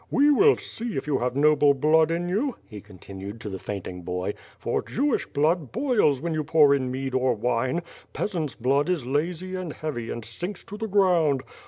'*We will see if you have noble 1 lood in you," he continued to the faint ing boy, "for Jewish bb)od boils when you pour in mead or wine; peasants' blood is lazy and heavy and sinks to the ground.